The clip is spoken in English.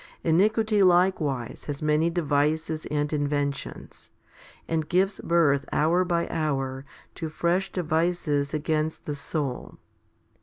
Iniquity likewise has many devices and inventions, and gives birth hour by hour to fresh devices against the soul.